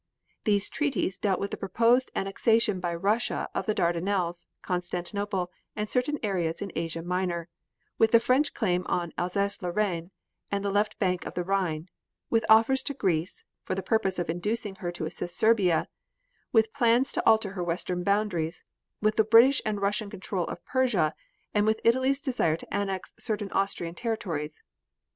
These treaties dealt with the proposed annexation by Russia of the Dardanelles, Constantinople and certain areas in Asia Minor; with the French claim on Alsace Lorraine and the left bank of the Rhine; with offers to Greece, for the purpose of inducing her to assist Serbia; with plans to alter her Western boundaries, with the British and Russian control of Persia; and with Italy's desire to annex certain Austrian territories.